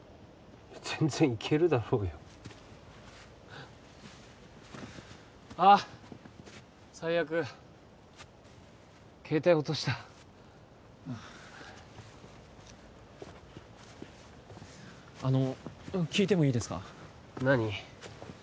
全然いけるだろうよあっ最悪携帯落としたあの聞いてもいいですか？